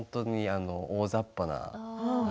大ざっぱな。